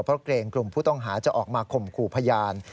เพราะเกรงกลุ่มผู้ต้องหาจะออกมาข่มขู่พยาน